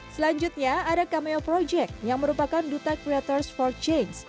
selanjutnya ada cameo project yang merupakan duta creators for change